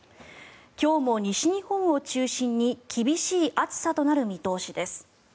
今日も西日本を中心に厳しい暑さとなる見通しです。